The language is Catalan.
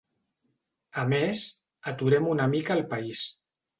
A més, aturem una mica el país.